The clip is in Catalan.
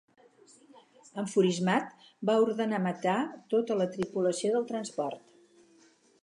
Enfurismat, va ordenar matar tota la tripulació del transport.